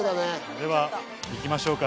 では行きましょうか。